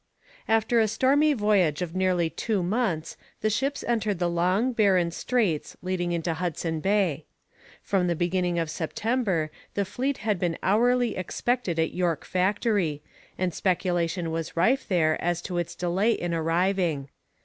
After a stormy voyage of nearly two months the ships entered the long, barren straits leading into Hudson Bay. From the beginning of September the fleet had been hourly expected at York Factory, and speculation was rife there as to its delay in arriving.